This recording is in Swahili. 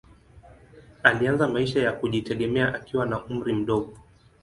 Alianza maisha ya kujitegemea akiwa na umri mdogo.